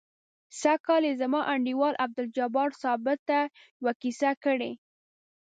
سږ کال یې زما انډیوال عبدالجبار ثابت ته یوه کیسه کړې.